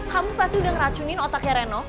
kamu pasti udah ngeracunin otaknya renov